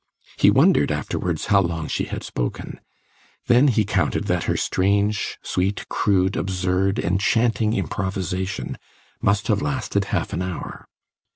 He wondered afterwards how long she had spoken; then he counted that her strange, sweet, crude, absurd, enchanting improvisation must have lasted half an hour.